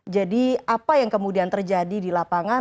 jadi apa yang kemudian terjadi di lapangan